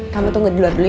kamu tunggu di luar dulu ya